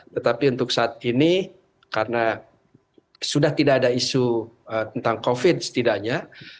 tetapi untuk saat ini karena sudah tidak ada isu tentang covid setidaknya